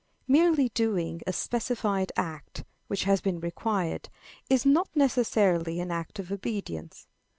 Merely doing a specified act, which has been required, is not necessarily an act of obedience.